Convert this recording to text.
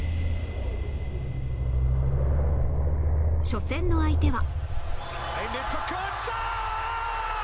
初戦の相手は